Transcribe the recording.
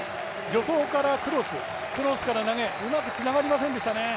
助走からクロス、クロスから投げ、うまくつながりませんでしたね。